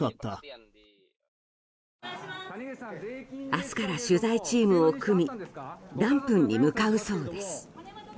明日から取材チームを組みランプンに向かうそうです。